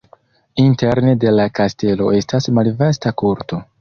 Interne de la kastelo estas malvasta korto.